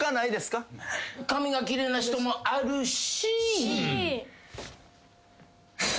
髪が奇麗な人もあるし。